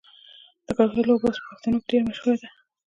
د کرکټ لوبه اوس په پښتنو کې ډیره مشهوره ده.